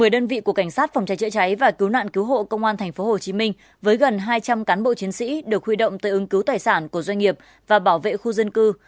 một mươi đơn vị của cảnh sát phòng cháy chữa cháy và cứu nạn cứu hộ công an tp hcm với gần hai trăm linh cán bộ chiến sĩ được huy động tới ứng cứu tài sản của doanh nghiệp và bảo vệ khu dân cư